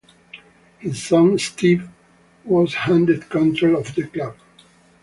His son, Steve, was handed control of the club.